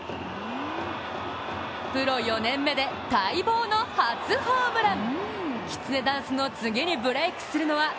プロ４年目で待望の初ホームラン。